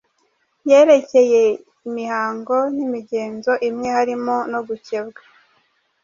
yerekeye imihango n’imigenzo imwe harimo no gukebwa,